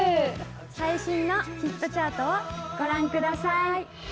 最新のヒットチャートをご覧くださいご覧ください